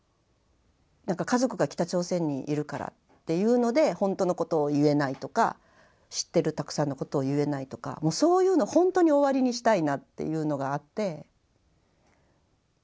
家族が北朝鮮にいるからっていうので本当のことを言えないとか知ってるたくさんのことを言えないとかもうそういうのほんとに終わりにしたいなっていうのがあって。